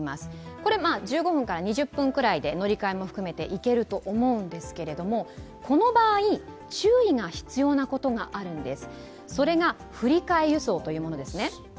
これ、１５２０分くらいで乗り換えも含めて行けると思うんですがこの場合、注意が必要なことがあるんです。